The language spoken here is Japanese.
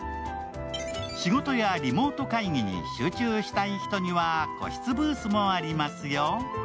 仕事やリモート会議に集中したい人には個室ブースもありますよ。